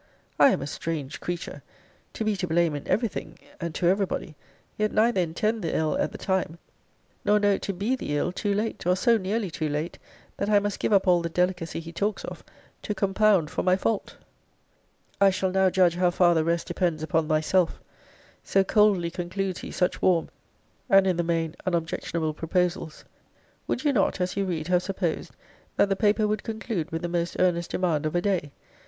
I am a strange creature! to be to blame in every thing, and to every body; yet neither intend the ill at the time, nor know it to be the ill too late, or so nearly too late, that I must give up all the delicacy he talks of, to compound for my fault! I shall now judge how far the rest depends upon myself! So coldly concludes he such warm, and, in the main, unobjectionably proposals: Would you not, as you read, have supposed, that the paper would conclude with the most earnest demand of a day?